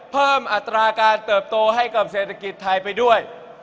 อัตราการเติบโตให้กับเศรษฐกิจไทยไปด้วย